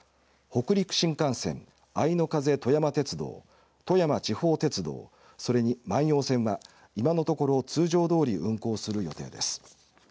北陸新幹線、あいの風とやま鉄道富山地方鉄道、それに万葉線は今のところ通常どおり運行する予定です。